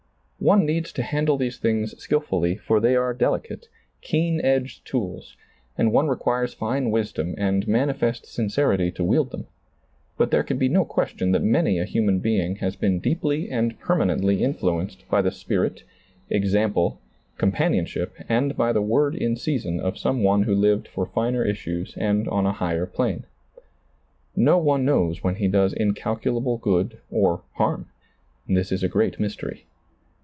One needs to handle these things skillfully, for they are delicate, keen edged tools, and one requires fine wisdom and manifest sincerity to wield them ; but there can be no question that many a human being has been deeply and permanently influenced by the spirit, example, companionship, and by the word in season of some one who lived for finer issues and on a higher plane. No one knows when he does incalculable good or harm. This is a great mystery.